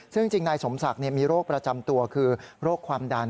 ซึ่งจริงนายสมศักดิ์มีโรคประจำตัวคือโรคความดัน